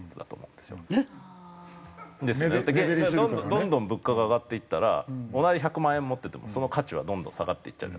どんどん物価が上がっていったら同じ１００万円持っててもその価値はどんどん下がっていっちゃう。